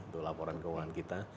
untuk laporan keuangan kita